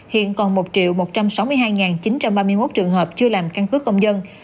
hiện còn một một trăm sáu mươi hai chín trăm ba mươi một trường hợp chưa làm căn cứ công dân